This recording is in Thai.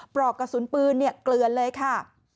ปลอกกระสุนปืนเกลือนเลยค่ะ